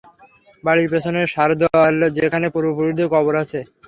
বাড়ির পেছনের সারদেয়াল, যেখানে পূর্বপুরুষদের কবর আছে।